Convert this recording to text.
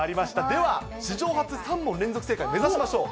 では史上初３問連続正解目指しましょう。